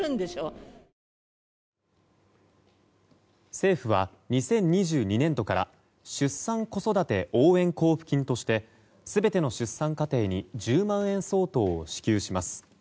政府は２０２２年度から出産・子育て応援交付金として全ての出産家庭に１０万円相当を支給します。